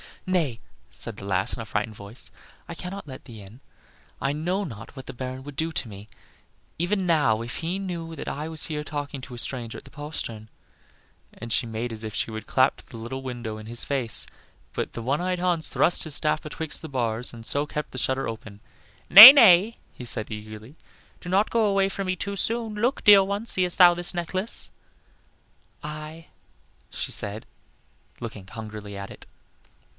"Nay," said the lass, in a frightened voice, "I cannot let thee in; I know not what the Baron would do to me, even now, if he knew that I was here talking to a stranger at the postern;" and she made as if she would clap to the little window in his face; but the one eyed Hans thrust his staff betwixt the bars and so kept the shutter open. "Nay, nay," said he, eagerly, "do not go away from me too soon. Look, dear one; seest thou this necklace?" "Aye," said she, looking hungrily at it.